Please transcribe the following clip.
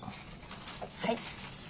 はい。